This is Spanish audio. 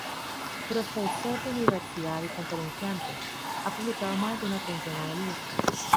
Profesor de Universidad y conferenciante, ha publicado más de una treintena de libros.